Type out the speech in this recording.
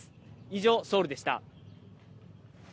以上ソウルでした。